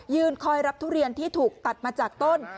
คอยรับทุเรียนที่ถูกตัดมาจากต้น